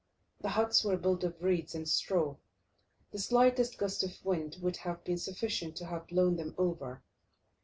The huts were built of reeds and straw; the slightest gust of wind would have been sufficient to have blown them over.